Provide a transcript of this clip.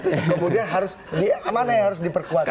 kemudian mana yang harus diperkuat